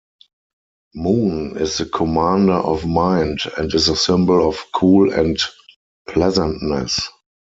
Moon is the commander of mind and is a symbol of cool and pleasantness.